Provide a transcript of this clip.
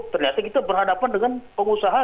ternyata kita berhadapan dengan pengusaha